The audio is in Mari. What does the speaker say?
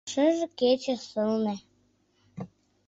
Шыже кече сылне.